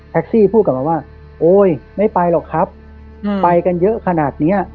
ซี่พูดกลับมาว่าโอ๊ยไม่ไปหรอกครับไปกันเยอะขนาดเนี้ย